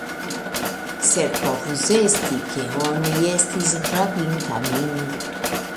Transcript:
Sed povus esti, ke oni estis rabinta min.